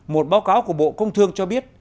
một báo cáo của bộ công thương cho biết